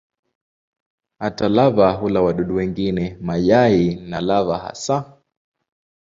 Hata lava hula wadudu wengine, mayai na lava hasa.